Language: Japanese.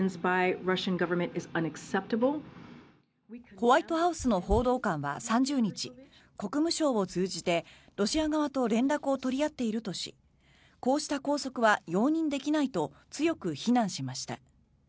ホワイトハウスの報道官は３０日国務省を通じてロシア側と連絡を取り合っているとしこうした拘束は容認できないと強く非難しました。